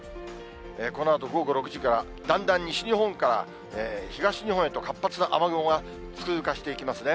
このあと午後６時から、だんだん西日本から東日本へと、活発な雨雲が通過していきますね。